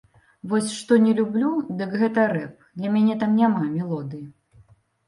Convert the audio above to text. Вось што не люблю, дык гэта рэп, для мяне там няма мелодыі.